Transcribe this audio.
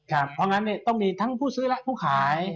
เพราะงั้นต้องมีทั้งผู้ซื้อและผู้ขาย